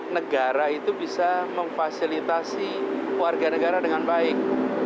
negara itu bisa memfasilitasi warga negara dengan baik